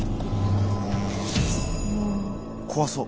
怖そう。